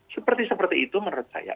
seperti seperti itu menurut saya